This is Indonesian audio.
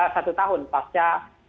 satu tahun pasca